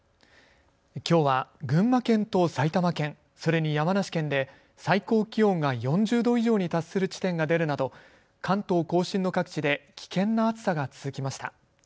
きょうは群馬県と埼玉県、それに山梨県で最高気温が４０度以上に達する地点が出るなど、関東甲信の各地で危険な暑さが続きました。